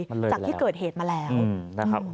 จากที่เกิดเหตุมาแล้ว